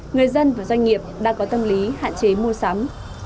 người dân và doanh nghiệp đã có tâm lý hạn chế mua sắm